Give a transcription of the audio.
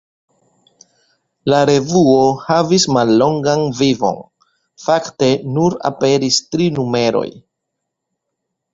La revuo havis mallongan vivon: fakte nur aperis tri numeroj.